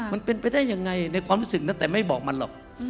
มันเป็นไปได้ยังไงในความรู้สึกนะแต่ไม่บอกมันหรอก